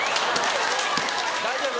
大丈夫？